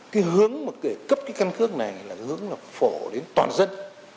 cái hướng để cấp cái căn cước này là hướng phổ đến toàn dân